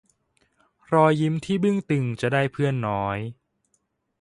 รอยยิ้มที่บึ้งตึงจะได้เพื่อนน้อย